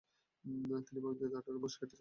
তিনি বাগদাদেও আঠারো মাস কেটেছেন।